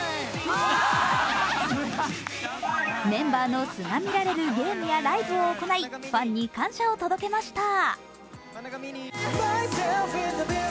メンバーの素が見られるゲームやライブを行いファンに感謝を届けました。